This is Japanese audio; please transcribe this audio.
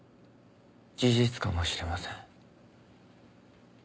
事実かもしれません。